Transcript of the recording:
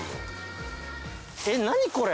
えっ何これ？